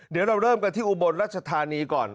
เดี๋ยวเราเริ่มกันที่อุบลรัชธานีก่อน